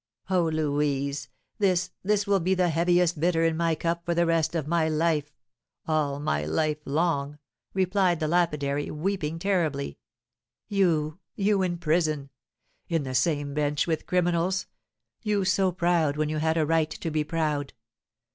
"Oh, Louise, this, this will be the heaviest bitter in my cup for the rest of my life, all my life long," replied the lapidary, weeping terribly. "You, you in prison, in the same bench with criminals; you so proud when you had a right to be proud!